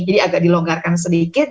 jadi agak dilonggarkan sedikit